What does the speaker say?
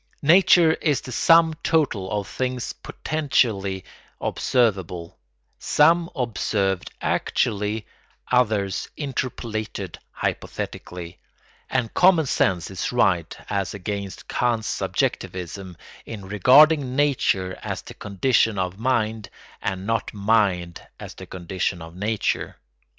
Nature is the sum total of things potentially observable, some observed actually, others interpolated hypothetically; and common sense is right as against Kant's subjectivism in regarding nature as the condition of mind and not mind as the condition of nature.